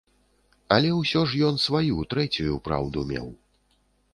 Але ўсё ж ён сваю, трэцюю, праўду меў.